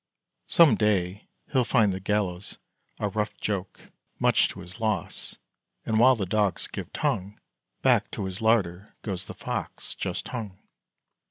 Some day, he'll find the gallows a rough joke, Much to his loss." And, while the dogs give tongue, Back to his larder goes the Fox just hung.